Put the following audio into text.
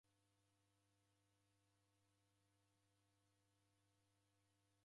Vidoi va mfuko viduagha vikilolwa.